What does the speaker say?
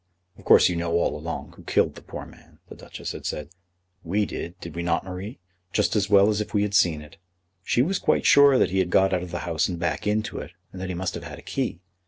"Of course you knew all along who killed the poor man," the Duchess had said. "We did; did we not, Marie? just as well as if we had seen it. She was quite sure that he had got out of the house and back into it, and that he must have had a key.